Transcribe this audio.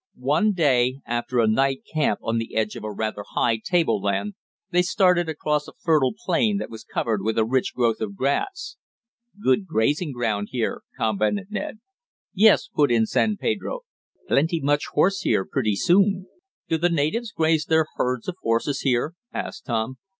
One day, after a night camp on the edge of a rather high table land, they started across a fertile plain that was covered with a rich growth of grass. "Good grazing ground here," commented Ned. "Yes," put in San Pedro. "Plenty much horse here pretty soon." "Do the natives graze their herds of horses here?" asked Tom.